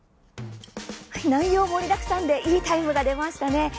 内容盛りだくさんでいいタイムが出ましたね。